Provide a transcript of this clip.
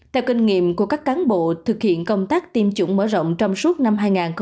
theo kinh nghiệm của các cán bộ thực hiện công tác tiêm chủng mở rộng trong suốt năm hai nghìn hai mươi